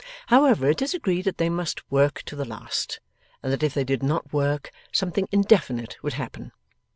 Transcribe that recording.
However, it is agreed that they must 'work' to the last, and that if they did not work, something indefinite would happen.